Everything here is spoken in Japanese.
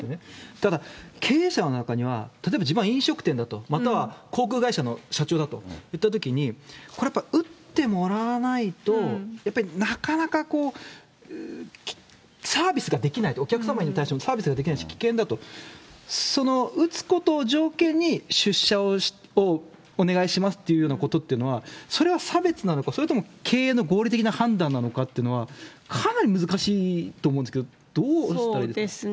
ただ経営者の中には、例えば自分は飲食店だと、または航空会社の社長だといったときに、これやっぱり打ってもらわないと、やっぱりなかなか、サービスができないと、お客様に対してもサービスができないし危険だと、その、打つことを条件に、出社をお願いしますっていうようなことっていうのは、それは差別なのか、それとも経営の合理的な判断なのかというのは、かなり難しいと思うんですけど、どうしたらいいんですか？